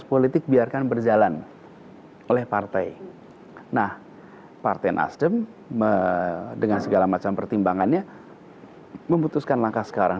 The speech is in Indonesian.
oleh partai nah partai nasdem dengan segala macam pertimbangannya memutuskan langkah sekarang